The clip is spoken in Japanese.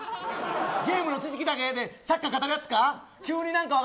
ゲームの知識だけでサッカー語るやつか？